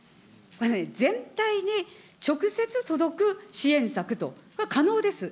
全体に直接届く支援策と、これは可能です。